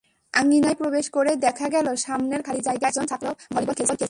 আঙিনায় প্রবেশ করেই দেখা গেল সামনের খালি জায়গায় কয়েকজন ছাত্র ভলিবল খেলছে।